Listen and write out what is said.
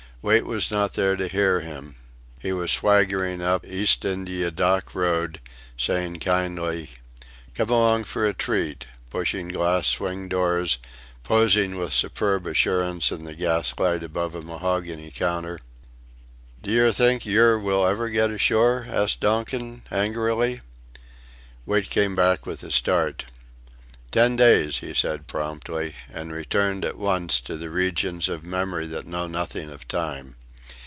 Wait was not there to hear him. He was swaggering up the East India Dock Road; saying kindly, "Come along for a treat," pushing glass swing doors, posing with superb assurance in the gaslight above a mahogany counter. "D'yer think yer will ever get ashore?" asked Donkin, angrily. Wait came back with a start. "Ten days," he said, promptly, and returned at once to the regions of memory that know nothing of time.